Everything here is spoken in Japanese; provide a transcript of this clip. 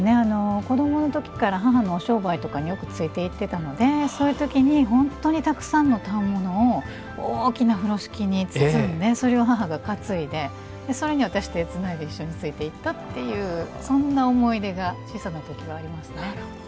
子どものときから母のお商売とかによくついていってたのでそういうときに本当にたくさんの反物を大きな風呂敷に包んでそれを母が担いでそれに私、手をつないで一緒についていったというそんな思い出が小さなときはありますね。